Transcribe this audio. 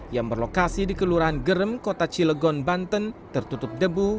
yang berlokasi di kelurahan gerem kota cilegon banten tertutup debu